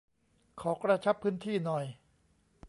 ขอ"กระชับพื้นที่"หน่อย ?